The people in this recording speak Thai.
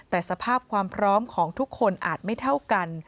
แต่สภาพความพร้อมของทุกคนอาจไม่เท่ากัน